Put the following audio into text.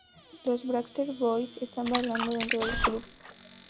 Los Backstreet Boys están bailando dentro del club.